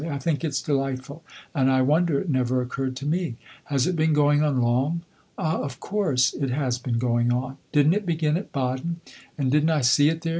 I think it 's delightful, and I wonder it never occurred to me. Has it been going on long? Ah, of course, it has been going on! Did n't it begin at Baden, and did n't I see it there?